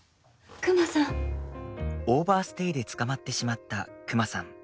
オーバーステイで捕まってしまったクマさん。